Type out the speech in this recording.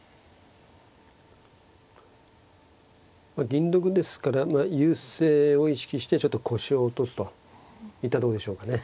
銀得ですから優勢を意識してちょっと腰を落とすといったとこでしょうかね。